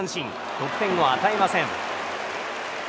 得点を与えません。